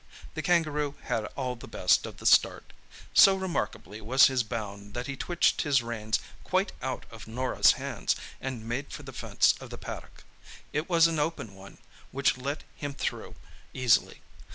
The kangaroo had all the best of the start. So remarkable was his bound that he twitched his reins quite out of Norah's hands, and made for the fence of the paddock. It was an open one, which let him through easily.